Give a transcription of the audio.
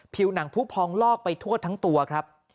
หนังผู้พองลอกไปทั่วทั้งตัวครับ